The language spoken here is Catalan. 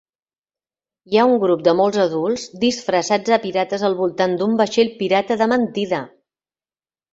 Hi ha un grup de molts adults disfressats de pirates al voltant d'un vaixell pirata de mentida.